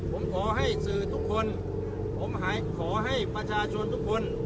ผมขอให้สื่อทุกคนผมขอให้ประชาชนทุกคน